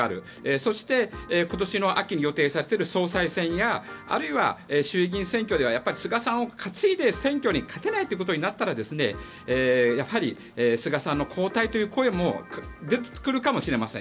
そして、今年の秋に予定されている総裁選やあるいは衆議院選挙では菅さんを担いで選挙に勝てないということになったらやはり、菅さんの交代という声も出てくるかもしれません。